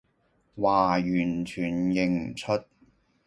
嘩，完全認唔出